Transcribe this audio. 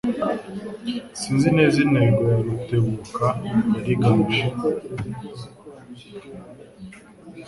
Sinzi neza intego ya Rutebuka yari igamije